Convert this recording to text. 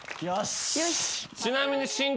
ちなみに。